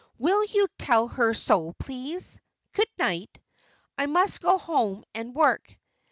Will you tell her so, please? Good night. I must go home and work."